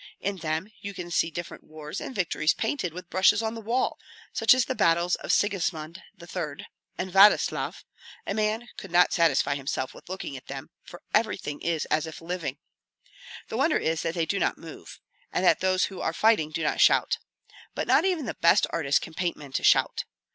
In them you can see different wars and victories painted with brushes on the wall, such as the battles of Sigismund III. and Vladislav; a man could not satisfy himself with looking at them, for everything is as if living. The wonder is that they do not move, and that those who are fighting do not shout. But not even the best artist can paint men to shout.